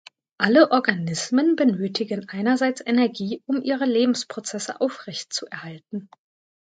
Alle Organismen benötigen einerseits Energie, um ihre Lebensprozesse aufrechtzuerhalten.